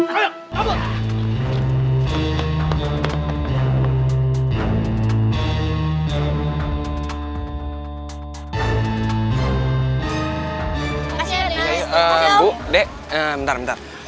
jangan lupa like share dan subscribe channel ini